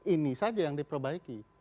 ini saja yang diperbaiki